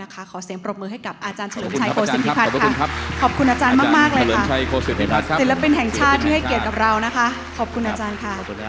ขอเสียงปรบมือให้กับอาจารย์เฉลิมชัยโศโนิทิพัท